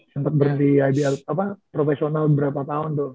sempet berhenti ibl apa profesional berapa tahun tuh